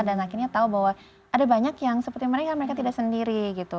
dan akhirnya tahu bahwa ada banyak yang seperti mereka mereka tidak sendiri gitu